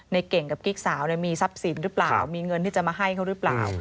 เก่งกับกิ๊กสาวมีทรัพย์สินหรือเปล่ามีเงินที่จะมาให้เขาหรือเปล่า